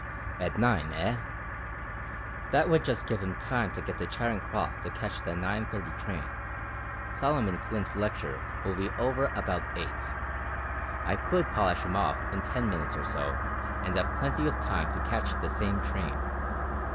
"At nine eh? That would just give 'im time to get to Charing Cross to catch the 9:30 train. Solomon Flint's lecture will be over about eight. I could polish 'im off in ten minutes or so, and 'ave plenty of time to catch the same train.